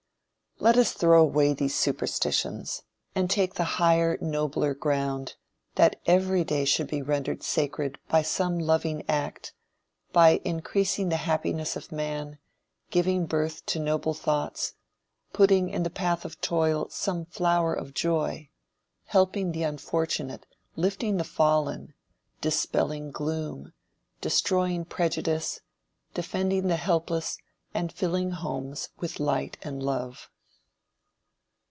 Let us throw away these superstitions and take the higher, nobler ground, that every day should be rendered sacred by some loving act, by increasing the happinesss of man, giving birth to noble thoughts, putting in the path of toil some flower of joy, helping the unfortunate, lifting the fallen, dispelling gloom, destroying prejudice, defending the helpless and filling homes with light and love.